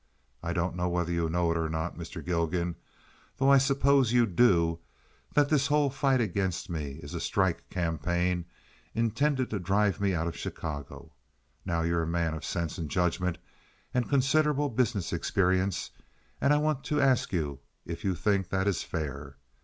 I don't know whether you know or not, Mr. Gilgan, though I suppose you do, that this whole fight against me is a strike campaign intended to drive me out of Chicago. Now you're a man of sense and judgment and considerable business experience, and I want to ask you if you think that is fair.